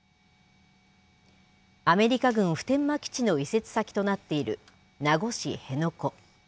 アメリカ軍普天間基地の移設先となっている、名護市辺野古。